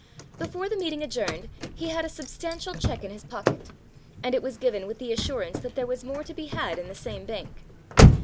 Before the meeting adjourned he had a substantial check in his pocket, and it was given with the assurance that there was more to be had in the same bank.